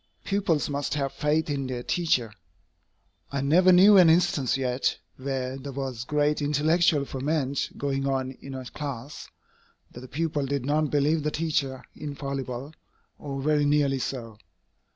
Pupils must have faith in their teacher. I never knew an instance yet, where there was great intellectual ferment going on in a class, that the pupils did not believe the teacher infallible, or very nearly so.